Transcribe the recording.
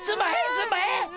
すんまへん！